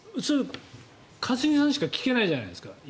一茂さんにしか聞けないじゃないですか。